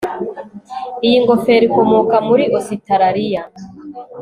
Iyi ngofero ikomoka muri Ositaraliya